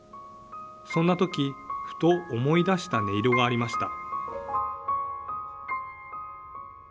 そんなとき、ふと思い出した音色がありました。